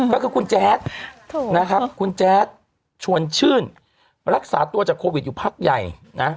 ก็คือคุณแจ๊ดนะครับคุณแจ๊ดชวนชื่นรักษาตัวจากโควิดอยู่พักใหญ่นะ